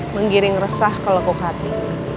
menggiring resah ke lekuk hati